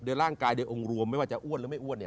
ด้วยร่างกายด้วยองค์รวมไม่ว่าจะอ้วนหรือไม่อ้วน